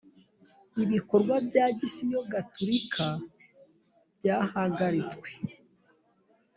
ibikorwa by agisiyo gatholika byahagaritswe